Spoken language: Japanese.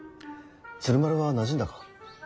鶴丸はなじんだか。